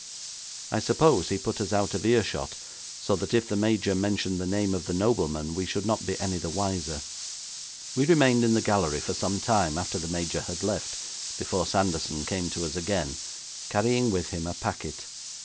I suppose he put us out of earshot, so that if the Major mentioned the name of the nobleman we should not be any the wiser. We remained in the gallery for some time after the major had left before Sanderson came to us again, carrying with him a packet.